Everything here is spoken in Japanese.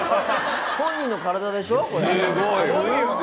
本人の体でしょ、これ。